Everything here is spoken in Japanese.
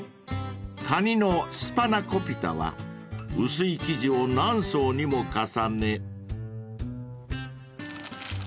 ［カニのスパナコピタは薄い生地を何層にも重ね］